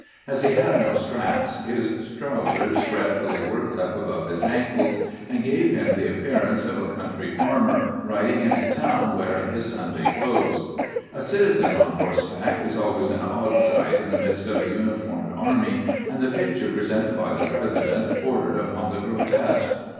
As he had no straps, his trousers grad ually worked up above his ankles, and gave him the ap pearance of a country farmer riding into town wearing his Sunday clothes. A citizen on horseback is always an odd sight in the midst of a uniformed army, and the picture presented by the President bordered upon the grotesque.